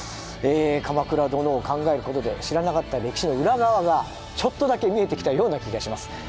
鎌倉殿を考えることで知らなかった歴史の裏側がちょっとだけ見えてきたような気がします。